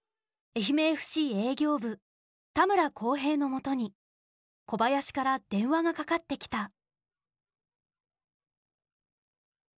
愛媛ＦＣ営業部田村光平のもとに小林から電話がかかってきた。